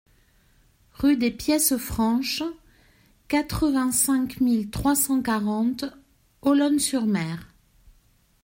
Rue des Pièces Franches, quatre-vingt-cinq mille trois cent quarante Olonne-sur-Mer